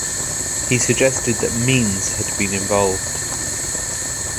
He suggested that Means had been involved.